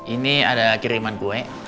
ini ada kiriman kue